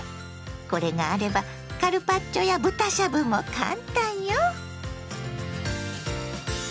これがあればカルパッチョや豚しゃぶもカンタンよ。